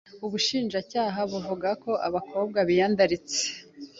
Ubushinjacyaha buvuga ko aba bakobwa biyandaritse